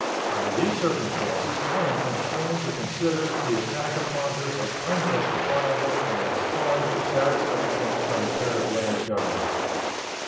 Under these circumstances I am constrained to consider the attack upon her as unjustifiable and as calling for satisfaction from the Paraguayan Government.